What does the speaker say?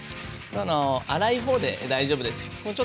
粗いほうで大丈夫です。